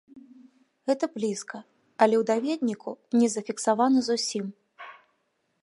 Гэта блізка, але ў даведніку не зафіксавана зусім.